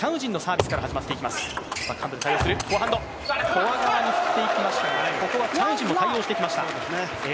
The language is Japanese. フォア側に振ってきましたがチャン・ウジンも対応してきました。